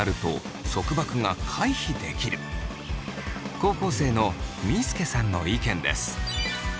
高校生のみーすけさんの意見です。